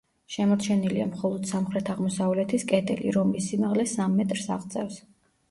შემორჩენილია მხოლოდ სამხრეთ-აღმოსავლეთის კედელი, რომლის სიმაღლე სამ მეტრს აღწევს.